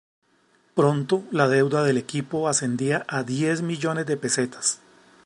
Pronto la deuda del equipo ascendía a diez millones de pesetas.